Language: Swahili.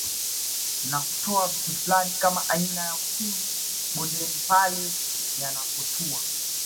Na kutoa vitu fulani kama aina ya ukungu bondeni pale yanapotua